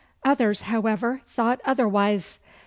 Others, however, thought otherwise.